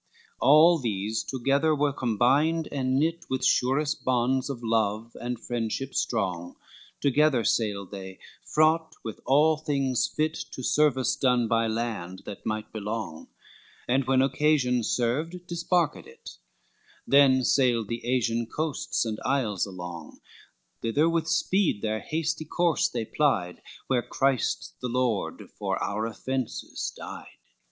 LXXX All these together were combined, and knit With surest bonds of love and friendship strong, Together sailed they fraught with all things fit To service done by land that might belong, And when occasion served disbarked it, Then sailed the Asian coasts and isles along; Thither with speed their hasty course they plied, Where Christ the Lord for our offences died.